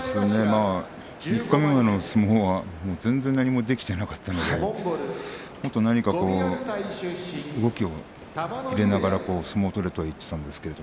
三日目のような相撲は何もできていなかったのでもっと動きを入れながら相撲を取れと言っていました。